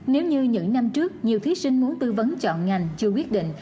nếu như những năm trước nhiều thí sinh muốn tư vấn chọn ngành chưa quyết định